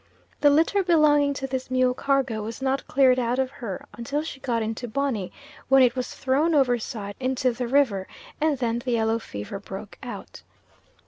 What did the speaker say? The litter belonging to this mule cargo was not cleared out of her until she got into Bonny, when it was thrown overside into the river, and then the yellow fever broke out.